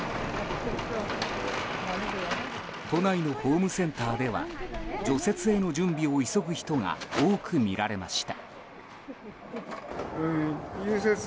都内のホームセンターでは除雪への準備を急ぐ人が多く見られました。